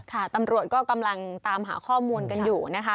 ค่ะตำรวจก็กำลังตามหาข้อมูลกันอยู่นะคะ